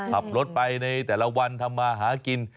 ขับรถไปในแต่ละวันทำมาหากิน